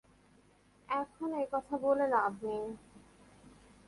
এখন এই কথা বলে লাভ নেই।